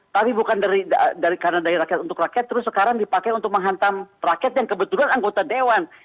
tapi bukan karena dari rakyat untuk rakyat terus sekarang dipakai untuk menghantam rakyat yang kebetulan anggota dewan